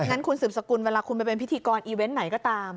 งั้นคุณสืบสกุลเวลาคุณไปเป็นพิธีกรอีเวนต์ไหนก็ตาม